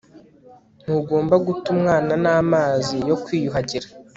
ntugomba guta umwana n'amazi yo kwiyuhagira